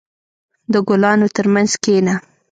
• د ګلانو ترمنځ کښېنه.